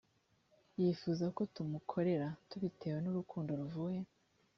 yifuza ko tumukorera tubitewe n urukundo ruvuye